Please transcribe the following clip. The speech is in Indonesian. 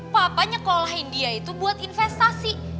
papa nyekolahin dia itu buat investasi